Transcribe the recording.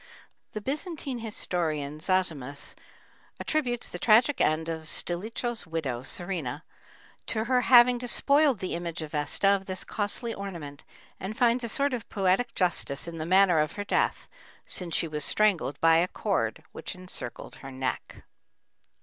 The Byzantine historian Zosimus attributes the tragic end of Stilicho's widow, Serena, to her having despoiled the image of Vesta of this costly ornament, and finds a sort of poetic justice in the manner of her death, since she was strangled by a cord which encircled her neck.